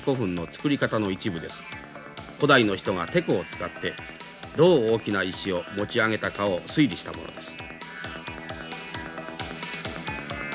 古代の人がテコを使ってどう大きな石を持ち上げたかを推理したものです。